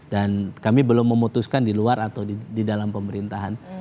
dan kami belum memutuskan di luar atau di dalam pemerintahan